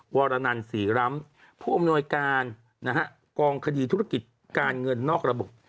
วรนันศรีร้ำผู้อำนวยการนะฮะกองคดีธุรกิจการเงินนอกระบบ